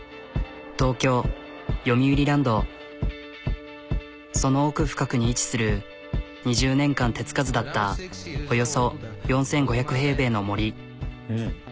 東京その奥深くに位置する２０年間手付かずだったおよそ４、５００平米の森。